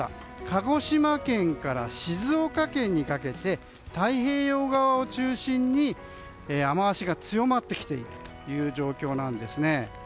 鹿児島県から静岡県にかけて太平洋側を中心に雨脚が強まってきているという状況なんですね。